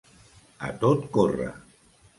A tot córrer.